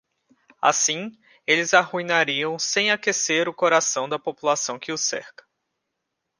Assim, eles arruinariam sem aquecer o coração da população que os cerca.